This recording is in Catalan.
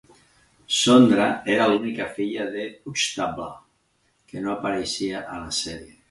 Sondra era l'única filla de Huxtable que no apareixia a la sèrie.